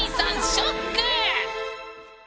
ショック！